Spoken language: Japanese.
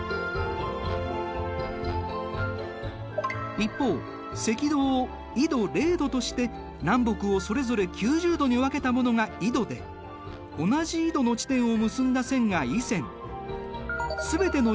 一方赤道を緯度０度として南北をそれぞれ９０度に分けたものが緯度で同じ緯度の地点を結んだ線が緯線。